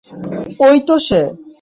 ঐ তো সে!